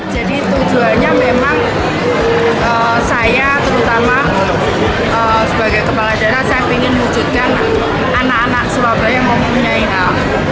saya terutama sebagai kepala darah saya ingin wujudkan anak anak surabaya yang mempunyai hak